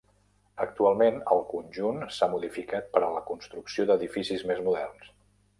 Actualment el conjunt s'ha modificat per la construcció d'edificis més moderns.